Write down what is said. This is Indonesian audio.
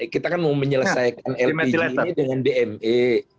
kita kan mau menyelesaikan lpg ini dengan dna